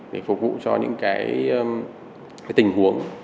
để phục vụ cho những cái tình huống